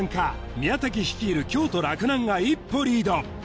宮武率いる京都洛南が一歩リード